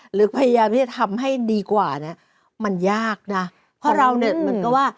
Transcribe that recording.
หรือพยายามที่จะทำให้ดีกว่าเนี้ยมันยากนะเพราะเราเนี่ยเหมือนกับว่า